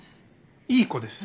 いい子です。